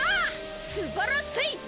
すばらしい！